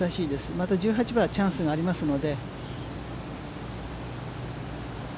また１８番はチャンスがありますので。